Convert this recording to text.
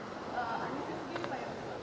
soal itu apa